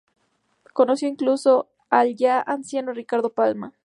Conoció incluso al ya anciano Ricardo Palma.